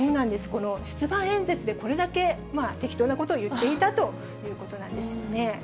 この出馬演説で、これだけ適当なことを言っていたということなんですよね。